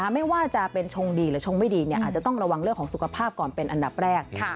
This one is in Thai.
ไม่ว่าจะเป็นชงดีหรือชงไม่ดีอาจจะต้องระวังเรื่องของสุขภาพก่อนเป็นอันดับแรก